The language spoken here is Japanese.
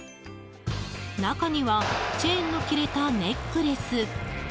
中には、チェーンの切れたネックレス。